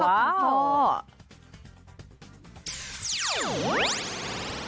โอ้โหขอบคุณพ่อ